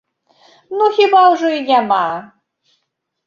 Ну, хіба ўжо і няма?